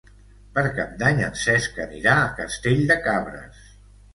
Per Cap d'Any en Cesc anirà a Castell de Cabres.